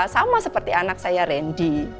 sama seperti anak saya randy